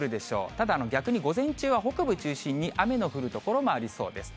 ただ逆に午前中は北部中心に雨の降る所もありそうです。